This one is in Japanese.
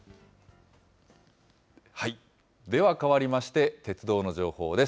では、かわりまして、鉄道の情報です。